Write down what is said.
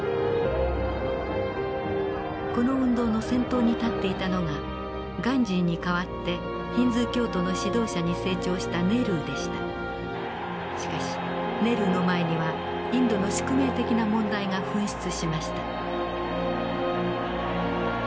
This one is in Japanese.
この運動の先頭に立っていたのがガンジーに代わってヒンズー教徒の指導者に成長したしかしネルーの前にはインドの宿命的な問題が噴出しました。